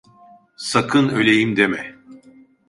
Sakın öleyim deme.